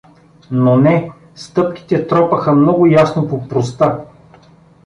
Но не, стъпките тропаха много ясно по пруста.